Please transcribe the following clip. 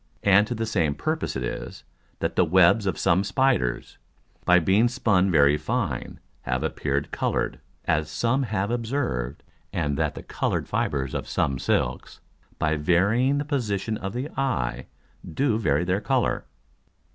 And to the same purpose it is, that the Webs of some Spiders, by being spun very fine, have appeared colour'd, as some have observ'd, and that the colour'd Fibres of some Silks, by varying the Position of the Eye, do vary their Colour.